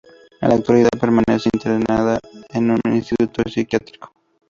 En la actualidad permanece internada en un instituto psiquiátrico.